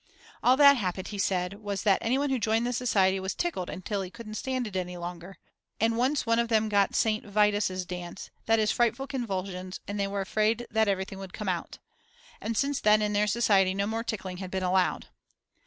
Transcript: All that happened, he said, was that anyone who joined the society was tickled until he couldn't stand it any longer. And once one of them got St. Vitus's dance, that is frightful convulsions and they were afraid that everything would come out. And since then in their society no more tickling had been allowed.